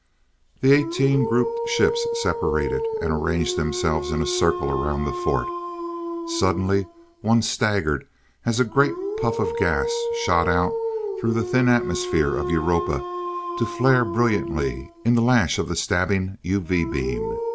The eighteen grouped ships separated, and arranged themselves in a circle around the fort. Suddenly one staggered as a great puff of gas shot out through the thin atmosphere of Europa to flare brilliantly in the lash of the stabbing UV beam.